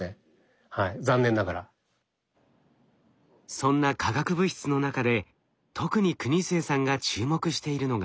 そんな化学物質の中で特に国末さんが注目しているのが。